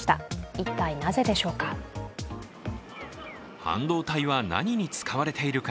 一体なぜでしょうか。